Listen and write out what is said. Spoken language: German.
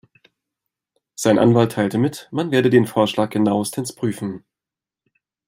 Sein Anwalt teilte mit, man werde den Vorschlag genauestens prüfen.